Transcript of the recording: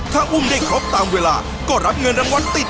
และจะบวกเพิ่มตามเวลาที่ฝ่ายหญิงเปิดแผ่นป้ายได้